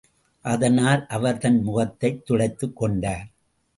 அதனால் அவர் தன் முகத்தைத் துடைத்துக் கொண்டார்.